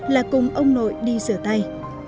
là cùng ông nội đi sửa tay